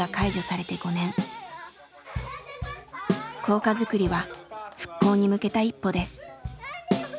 校歌づくりは復興に向けた一歩です。